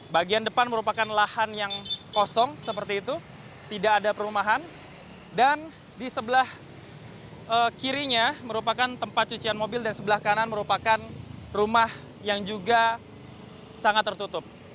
bagian depan merupakan lahan yang kosong seperti itu tidak ada perumahan dan di sebelah kirinya merupakan tempat cucian mobil dan sebelah kanan merupakan rumah yang juga sangat tertutup